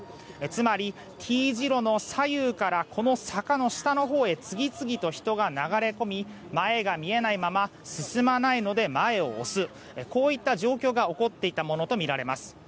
つまり、Ｔ字路の左右からこの坂の下のほうへ次々と人が流れ込み前が見えないまま進まないので前を押すこういった状況が起こっていたものとみられます。